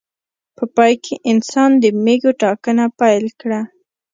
په پای کې انسان د مېږو ټاکنه پیل کړه.